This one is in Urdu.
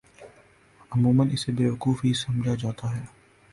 عموما اسے بیوقوف ہی سمجھا جاتا ہے۔